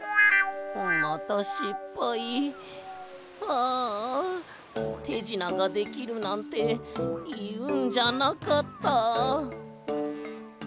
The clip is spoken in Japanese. ああてじなができるなんていうんじゃなかった。